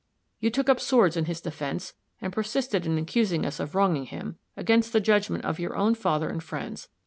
You took up swords in his defense, and persisted in accusing us of wronging him, against the judgment of your own father and friends.